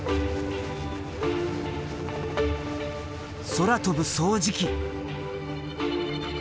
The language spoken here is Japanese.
空飛ぶ掃除機！